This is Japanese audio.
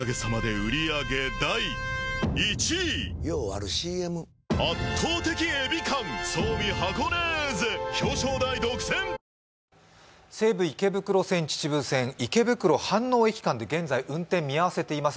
西武池袋線秩父線、池袋−飯能駅間で現在、運転を見合わせています。